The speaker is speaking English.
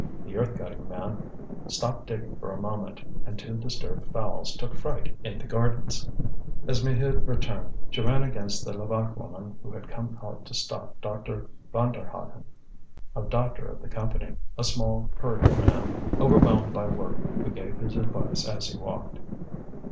The earth cutting man stopped digging for a moment, and two disturbed fowls took fright in the gardens. As Maheude returned, she ran against the Levaque woman who had come out to stop Dr. Vanderhaghen, a doctor of the Company, a small hurried man, overwhelmed by work, who gave his advice as he walked.